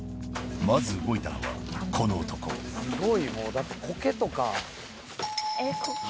まず動いたのはこの男すごいもうだってコケとか。